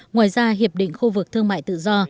ngoài ra hiệp định khu vực thương mại tự do